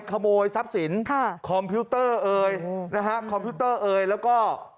ขโมยทรัพย์สินค่ะคอมพิวเตอร์เอยนะฮะคอมพิวเตอร์เอยแล้วก็